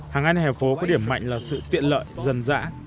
hàng ngàn hè phố có điểm mạnh là sự tiện lợi dần dã